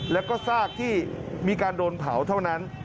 แล้วก็ซากที่มีการโดนเผาเท่านั้น